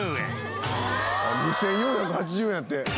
「あっ２４８０円やって」